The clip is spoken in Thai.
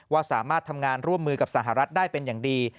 ว่าสามารถทำงานร่วมมือกับสหรัฐได้เป็นอย่างดี